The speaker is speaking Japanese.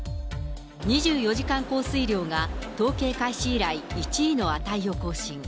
２４時間降水量が統計開始以来１位の値を更新。